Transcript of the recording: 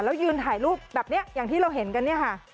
แล้วยืนถ่ายรูปแบบนี้อย่างที่เราเห็นกัน